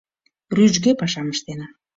Рӱжге пашам ыштена.